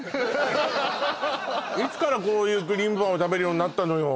いつからこういうクリームパンを食べるようになったのよ？